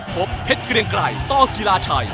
พบเพชรเกรียงไกรต่อศิลาชัย